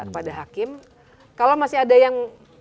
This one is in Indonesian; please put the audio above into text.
kepada hakim kalau masih ada yang